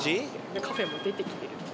カフェも出てきてるんです。